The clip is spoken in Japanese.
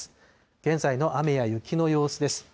現在の雨や雪の様子です。